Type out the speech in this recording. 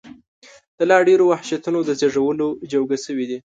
د لا ډېرو وحشتونو د زېږولو جوګه شوي دي.